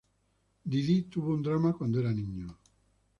Didí tuvo un drama cuando era niño.